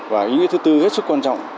và ý nghĩa thứ tư hết sức quan trọng